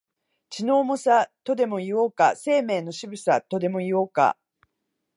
血の重さ、とでも言おうか、生命の渋さ、とでも言おうか、